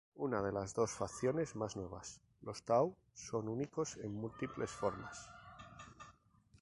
Una de las dos facciones más nuevas, los Tau son únicos en múltiples formas.